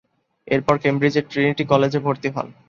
এরপর কেমব্রিজের ট্রিনিটি কলেজে ভর্তি হন।